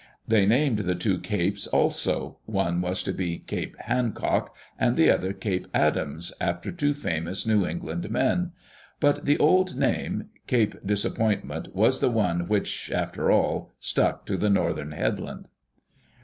They named the two capes also : one was to be Cape Hancock and the other Cape Adams, after two famous New England men. But the old name. Cape Dis appointment, was the one which, after all, stuck to the northern headland.